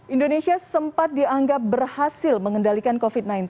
indonesia sempat dianggap berhasil mengendalikan covid sembilan belas